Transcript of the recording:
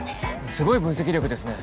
すごい分析力ですね。